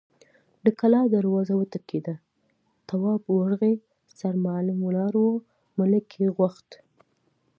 د کلا دروازه وټکېده، تواب ورغی، سرمعلم ولاړ و، ملک يې غوښت.